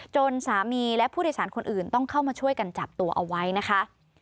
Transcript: จนสามีและผู้โดยสารคนอื่นต้องเข้ามาช่วยกันจับตัวเอาไว้นะคะ